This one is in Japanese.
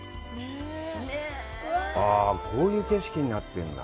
ああ、こういう景色になってるんだ。